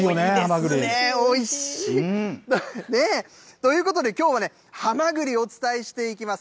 ということで、きょうはね、はまぐりをお伝えしていきます。